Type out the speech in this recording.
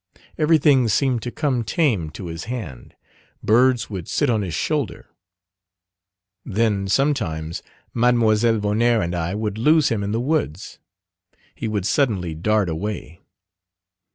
Everything seemed to come tame to his hand. Birds would sit on his shoulder. Then sometimes Mlle Vonnaert and I would lose him in the woods he would suddenly dart away.